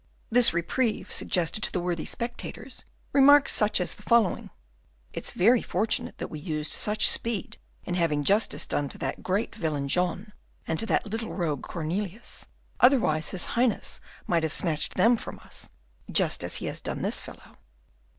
This reprieve suggested to the worthy spectators remarks such as the following: "It's very fortunate that we used such speed in having justice done to that great villain John, and to that little rogue Cornelius, otherwise his Highness might have snatched them from us, just as he has done this fellow."